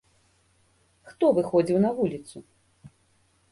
Хто выходзіў на вуліцу?